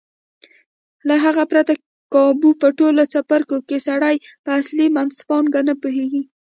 له هغه پرته کابو په ټولو څپرکو کې سړی په اصلي منځپانګه نه پوهېږي.